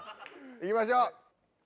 行きましょう！